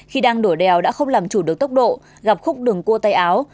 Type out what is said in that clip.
khi đang đổ đèo đã không làm chủ được tốc độ gặp khúc đường cua tay áo